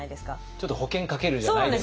ちょっと保険かけるじゃないですけど。